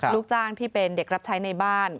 ลูกจ้างที่เป็นเด็กรับใช้ในบ้าน